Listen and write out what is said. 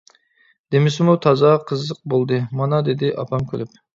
-دېمىسىمۇ تازا قىزىق بولدى مانا-دېدى ئاپام كۈلۈپ.